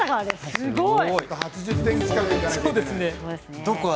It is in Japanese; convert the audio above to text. すごい！